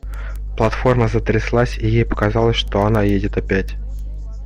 Платформа затряслась, и ей показалось, что она едет опять.